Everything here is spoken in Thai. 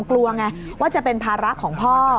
กลัวไงว่าจะเป็นภาระของพ่อ